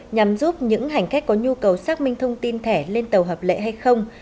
nhằm giúp những hành khách có nhu cầu xác minh thông tin thẻ lên tàu hợp lệ hay không